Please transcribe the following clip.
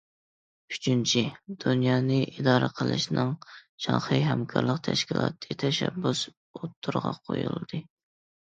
ئۈچىنچى، دۇنيانى ئىدارە قىلىشنىڭ شاڭخەي ھەمكارلىق تەشكىلاتى تەشەببۇسى ئوتتۇرىغا قويۇلدى.